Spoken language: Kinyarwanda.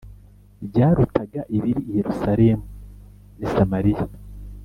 byarutaga ibiri i Yerusalemu n i Samariya